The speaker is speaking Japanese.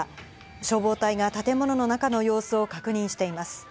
消防隊が建物の中の様子を確認しています。